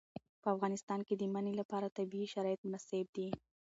په افغانستان کې د منی لپاره طبیعي شرایط مناسب دي.